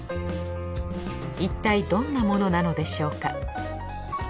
いったいどんなものなのでしょうか？